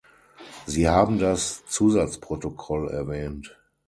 Sie haben das Zusatzprotokoll erwähnt.